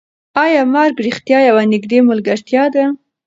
ایا مرګ رښتیا یوه نږدې ملګرتیا ده؟